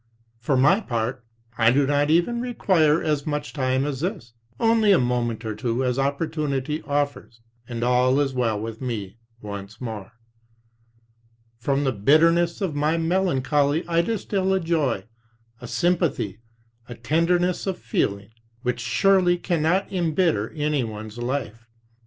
For my part, I do not even require as much time as this. Only a moment or two as opportunity offers, and all is well with me once more. From the bitterness of my melancholy I distil a joy, a sympathy, a tenderness of feeling, which surely cannot embitter anyone's life.